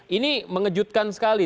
ini mengejutkan sekali